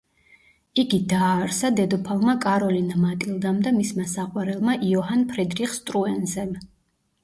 იგი დააარსა დედოფალმა კაროლინა მატილდამ და მისმა საყვარელმა, იოჰან ფრიდრიხ სტრუენზემ.